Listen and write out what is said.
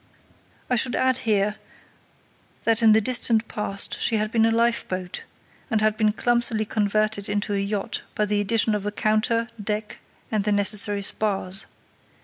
I should add here that in the distant past she had been a lifeboat, and had been clumsily converted into a yacht by the addition of a counter, deck, and the necessary spars.